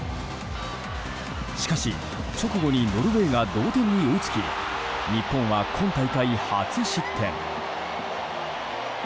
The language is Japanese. しかし、直後にノルウェーが同点に追いつき日本は今大会初失点。